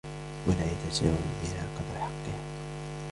وَلَا يَتَجَاوَزَ بِهَا قَدْرَ حَقِّهَا